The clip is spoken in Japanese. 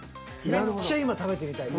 めっちゃ今食べてみたい。